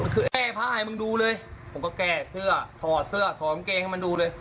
คือแก้ผ้าให้มึงดูเลยผมก็แก้เสื้อถอดเสื้อถอดกางเกงให้มันดูเลย